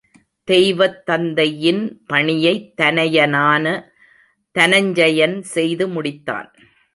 தெய்வத் தந்தையின் பணியைத் தனயனான தனஞ்செயன் செய்து முடித்தான்.